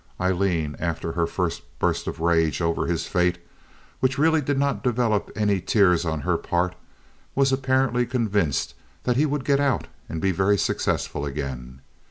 Aileen, after her first burst of rage over his fate, which really did not develop any tears on her part, was apparently convinced that he would get out and be very successful again.